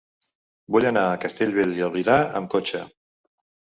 Vull anar a Castellbell i el Vilar amb cotxe.